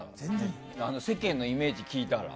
世間のイメージを聞いたら。